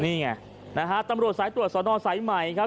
นี่ไงนะฮะตำรวจสายตรวจสอนอสายใหม่ครับ